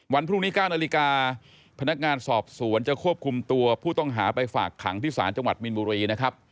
วันพรุ่งนี้๙นาฬิกาพนักงานสอบสวนจะควบคุมตัวผู้ต้องหาไปฝากขังที่ศาลจังหวัดมีนบุรีนะครับ